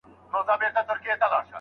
له طلاق سره کوم ډول خطرونه ملګري دي؟